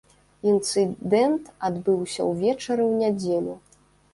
Інцыдэнт адбыўся ўвечары ў нядзелю.